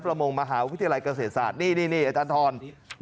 ประมงมหาวิทยาลัยเกษตรศาสตร์นี่อาจารย์ทร